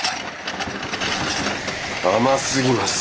甘すぎます。